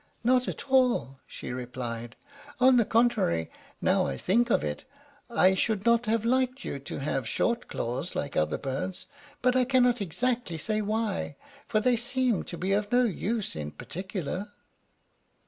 "Not at all," she replied. "On the contrary, now I think of it, I should not have liked you to have short claws like other birds; but I cannot exactly say why, for they seem to be of no use in particular."